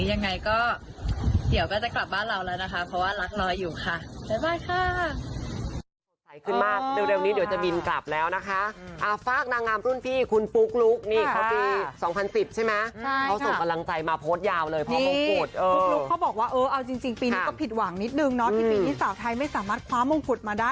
ยังไงก็เดี๋ยวก็จะกลับบ้านเราแล้วนะคะเพราะว่ารักรออยู่ค่ะ